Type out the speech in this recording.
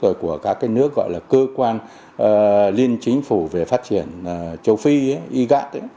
rồi của các cái nước gọi là cơ quan liên chính phủ về phát triển châu phi iga